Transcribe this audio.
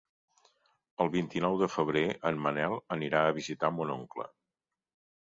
El vint-i-nou de febrer en Manel anirà a visitar mon oncle.